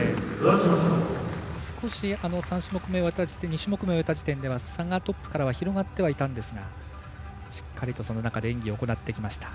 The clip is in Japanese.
少し２種目め終わった時点差がトップから広がっていたんですがしっかりと、その中で演技を行ってきました。